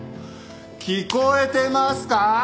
聞こえてますか？